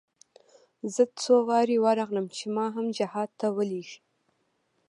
زه څو وارې ورغلم چې ما هم جهاد ته ولېږي.